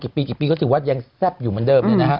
กี่ปีก็จะถือว่ายังแซ่บอยู่เหมือนเดิม